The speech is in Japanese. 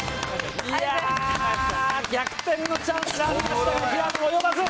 逆転のチャンスはありましたが平野、及ばず！